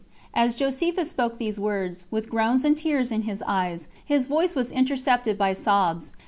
As Josephus spoke these words, with groans and tears in his eyes, his voice was intercepted by sobs.